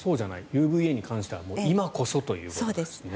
ＵＶＡに関しては今こそということなんですね。